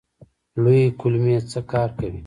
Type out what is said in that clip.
لویې کولمې څه کار کوي؟